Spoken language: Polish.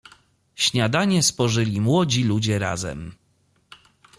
"Śniadanie spożyli młodzi ludzie razem."